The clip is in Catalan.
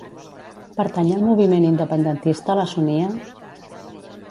Pertany al moviment independentista la Sonia?